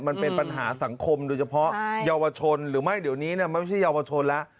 มันเป็นปัญหาสังคมโดยเฉพาะเยาวชนหรือไม่เดี๋ยวนี้ไม่ใช่เยาวชนแล้ว